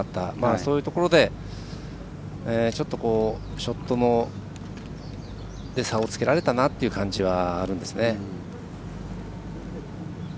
そういうところでちょっとショットで差をつけられたなという感じがあるんですね。